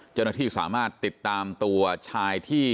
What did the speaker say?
เจ้าหน้าที่สามารถติดตามตัวชายที่